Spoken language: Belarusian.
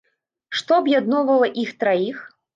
Што аб'ядноўвала іх траіх?